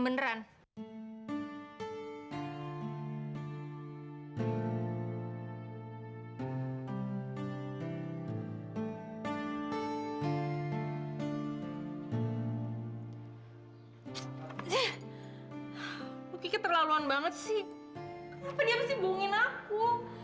kenapa dia mesti bohongin aku